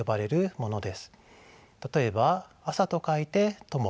例えば「朝」と書いて「とも」。